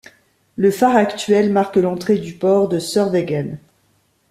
Le phare actuel marque l'entrée du port de Sørvågen.